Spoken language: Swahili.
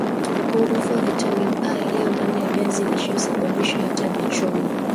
upungufu wa vitamini A iliyo ndani ya viazi lishe husababisha hata vichomi